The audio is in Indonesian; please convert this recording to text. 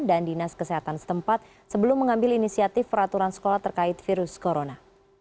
dan dinas kesehatan setempat sebelum mengambil inisiatif peraturan sekolah terkait virus corona